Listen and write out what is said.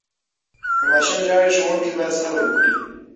که ماشوم ژاړي، ښوونکي باید صبر وکړي.